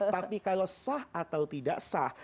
tapi kalau sah atau tidak sah